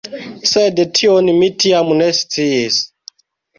Sed tion mi tiam ne sciis.